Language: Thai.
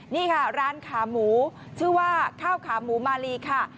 นี่ค่ะร้านขาหมูชื่อว่าข้าวขาหมูมาลีค่ะ